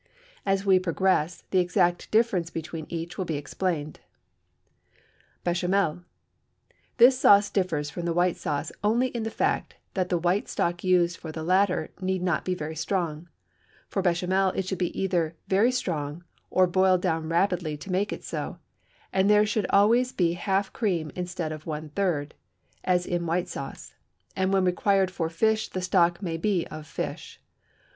As we progress, the exact difference between each will be explained. Béchamel. This sauce differs from the white sauce only in the fact that the white stock used for the latter need not be very strong; for béchamel it should either be very strong or boiled down rapidly to make it so, and there should always be half cream instead of one third, as in white sauce, and when required for fish the stock may be of fish.